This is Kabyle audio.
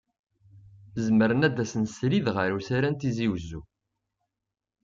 Zemren ad d-asen srid ɣer usarra n Tizi Uzzu.